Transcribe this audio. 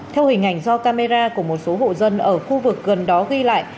theo hình ảnh do camera của một số hộ dân ở khu vực gần đó ghi lại